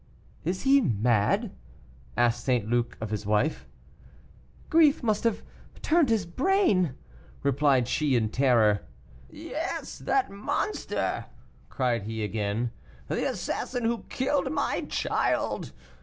"Is he mad?" asked St. Luc of his wife. "Grief must have turned his brain," replied she, in terror. "Yes, that monster!" cried he again; "the assassin who killed my child!